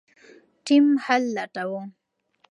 ټیم حل لټاوه.